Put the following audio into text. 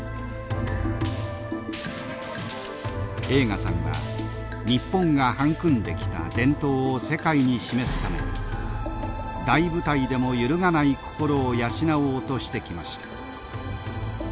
栄花さんは日本が育んできた伝統を世界に示すために大舞台でも揺るがない心を養おうとしてきました。